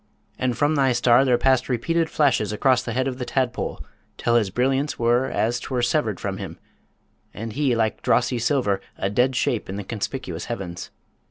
And from thy star there passed repeated flashes across the head of the tadpole, till his brilliance was as 'twere severed from him, and he, like drossy silver, a dead shape in the conspicuous heavens.